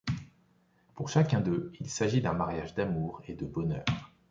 Pour chacun d'eux, il s'agit d'un mariage d'amour et de bonheur.